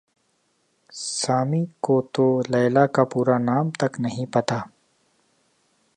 सामी को तो लैला का पूरा नाम तक नहीं पता।